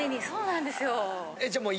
そうなんですよ。